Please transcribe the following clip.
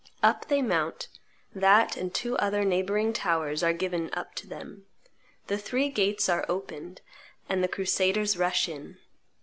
Up they mount; that and two other neighboring towers are given up to them; the three gates are opened, and the crusaders rush in.